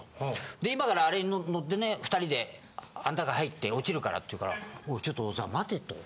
で今からあれに乗ってね２人であん中入って落ちるからって言うから「おいちょっと小沢待て」と。